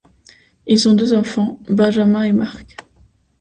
Ils ont deux enfants, Benjamin et Mark.